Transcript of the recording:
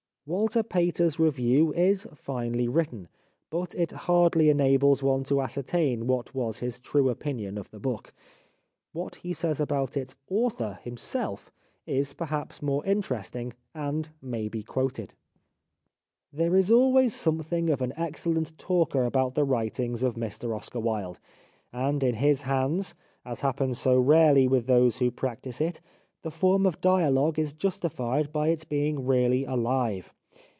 Walter Pater's review is finely written, but it hardly en ables one to ascertain what was his true opinion of the book. What he says about its author himself is, perhaps, more interesting and may be quoted :—" There is always something of an excellent talker about the writings of Mr Oscar Wilde ; and in his hands, as happens so rarely with those who practise it, the form of dialogue is justified by its being really alive.